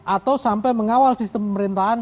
atau sampai mengawal sistem pemerintahan